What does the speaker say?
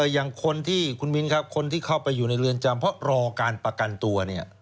อย่างคนที่เข้าไปอยู่ในเรือนจำเพราะรอการประกันตัว